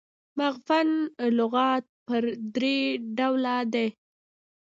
مفغن لغات پر درې ډوله دي.